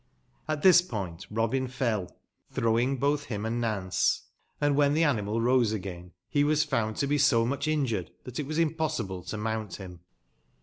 At tbis point Robin feil, tbrowing botb bim and Nance, and wben tbe animal rose again be was found to be so mucb injured tbat it was impossible to mount bim.